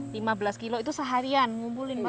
lima belas sekilo itu seharian ngumpulin pak